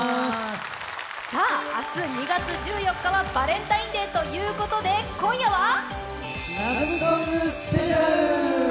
さあ、明日２月１４日はバレンタインデーということで今夜はラブソングスペシャル！